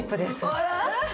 あら！